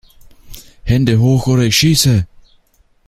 Hände hoch oder ich schieße!